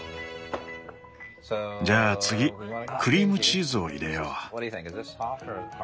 じゃあ次クリームチーズを入れよう。